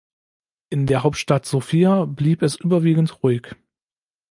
In der Hauptstadt Sofia blieb es überwiegend ruhig.